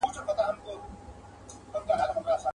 رند به په لاسو کي پیاله نه لري.